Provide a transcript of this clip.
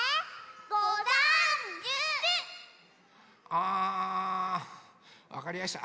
あわかりやした。